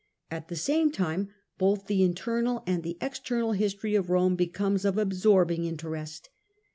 At the same time both the internal and the external history of Rome becomes of absorbing intei'est.